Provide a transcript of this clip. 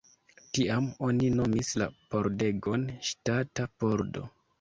Tiam oni nomis la pordegon Ŝtata Pordo.